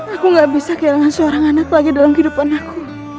aku gak bisa kehilangan seorang anak lagi dalam kehidupan aku